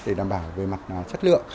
để đảm bảo về mặt chất lượng